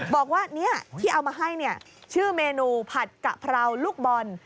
บอกว่าที่เอามาให้ชื่อเมนูผัดกะเพราลูกบอล